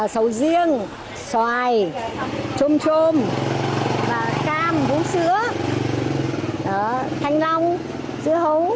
sầu riêng xoài chôm chôm cam bú sữa thanh long sữa hấu